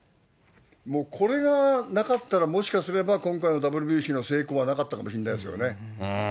もう、これがなかったら、もしかすれば今回のＷＢＣの成功はなかったかもしれないですよね。